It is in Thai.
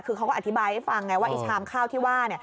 คือเขาก็อธิบายให้ฟังไงว่าไอ้ชามข้าวที่ว่า